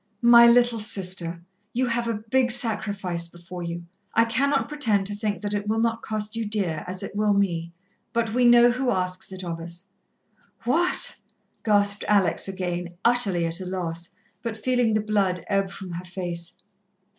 "My little Sister, you have a big sacrifice before you. I cannot pretend to think that it will not cost you dear, as it will me. But we know Who asks it of us." "What?" gasped Alex again, utterly at a loss, but feeling the blood ebb from her face.